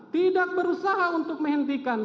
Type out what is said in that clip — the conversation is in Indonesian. tidak berusaha untuk menghentikan